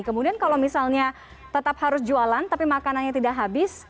kemudian kalau misalnya tetap harus jualan tapi makanannya tidak habis